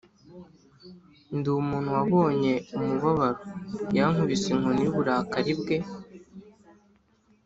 Ndi umuntu wabonye umubabaro, Yankubise inkoni y’uburakari bwe.